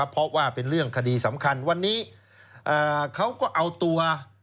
เพราะว่าเป็นเรื่องคดีสำคัญวันนี้เขาก็เอาตัว